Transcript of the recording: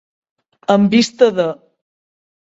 En vista de.